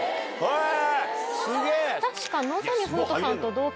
へぇ。